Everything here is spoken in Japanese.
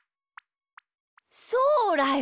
そうだよ！